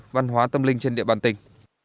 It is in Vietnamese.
văn hóa tâm linh trên địa bàn tỉnh